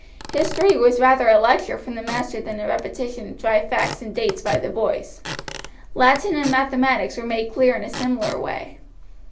History was rather a lecture from the master than a repetition of dry facts and dates by the boys. Latin and mathematics were made clear in a similar way.